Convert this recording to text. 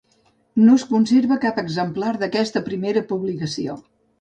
No es conserva cap exemplar d'aquesta primera publicació.